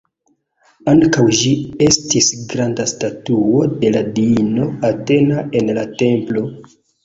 Antaŭ ĝi estis granda statuo de la diino Atena en la templo.